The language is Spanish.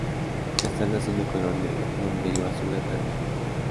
Las alas son de color negro con un brillo azul atractivo.